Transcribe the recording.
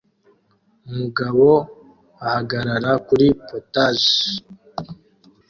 Umugabo ahagarara kuri POTAGEs